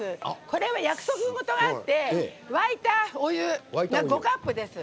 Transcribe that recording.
これは約束事があって沸いたお湯、５カップです。